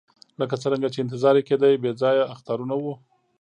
لکه څرنګه چې انتظار یې کېدی بې ځایه اخطارونه وو.